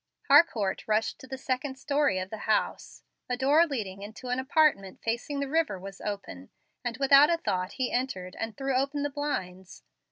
Harcourt rushed to the second story of the house. A door leading into an apartment facing the river was open, and without a thought he entered and threw open the blinds.